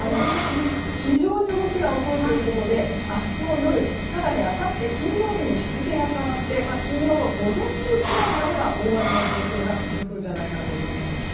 非常に動きが遅いということで明日の夜さらにあさって金曜日に日付が変わって金曜日の午前中くらいまでは大荒れの状況が続くんじゃないかと思います。